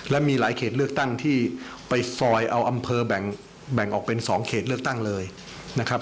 และมีหลายเขตเลือกตั้งที่ไปซอยเอาอำเภอแบ่งออกเป็น๒เขตเลือกตั้งเลยนะครับ